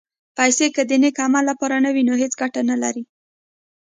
پېسې که د نېک عمل لپاره نه وي، نو هېڅ ګټه نه لري.